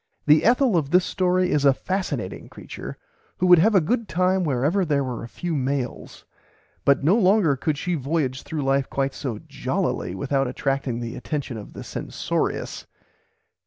The Ethel of this story is a fascinating creature who would have a good time wherever there were a few males, but no longer could she voyage through life quite so jollily without attracting the attention of the censorious.